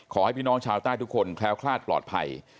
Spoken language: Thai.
ขอให้พี่น้องชาวใต้ทุกคนแคล้วคลาดปลอดภัย